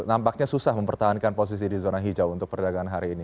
nampaknya susah mempertahankan posisi di zona hijau untuk perdagangan hari ini